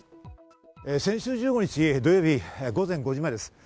先週１５日土曜日、午前５時前です。